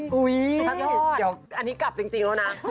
เดี๋ยวอันนี้กลับจริงแล้วนะ